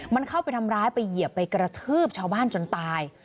มันเข้าไปทำร้ายไปเหยียบไปกระทืบชาวบ้านจนตาย